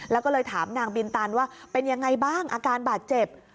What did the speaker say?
แล้วก็เลยถามนางบินตันว่าเป็นยังไงบ้างอาการบาดเจ็บ